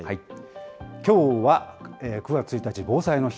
きょうは９月１日防災の日。